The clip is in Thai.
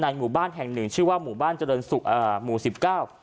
หมู่บ้านแห่งหนึ่งชื่อว่าหมู่บ้านเจริญศุกร์อ่าหมู่สิบเก้า